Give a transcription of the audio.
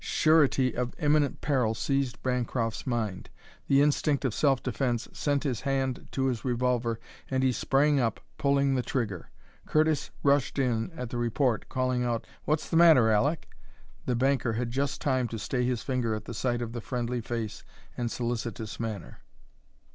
Surety of imminent peril seized Bancroft's mind. The instinct of self defence sent his hand to his revolver, and he sprang up, pulling the trigger. Curtis rushed in at the report, calling out, "What's the matter, Aleck?" The banker had just time to stay his finger at sight of the friendly face and solicitous manner.